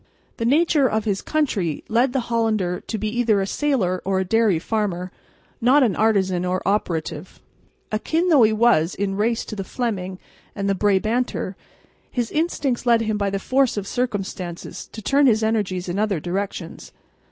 The nature of his country led the Hollander to be either a sailor or a dairy farmer, not an artisan or operative. Akin though he was in race to the Fleming and the Brabanter, his instincts led him by the force of circumstances to turn his energies in other directions.